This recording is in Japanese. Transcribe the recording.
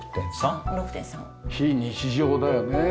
非日常だよね。